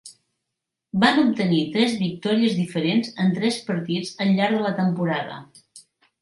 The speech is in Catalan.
Van obtenir tres victòries diferents en tres partits al llarg de la temporada.